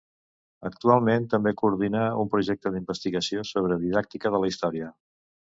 Actualment, també coordina un projecte d'investigació sobre didàctica de la història.